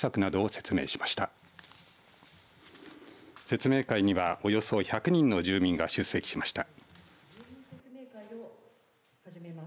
説明会には、およそ１００人の住民が出席しました。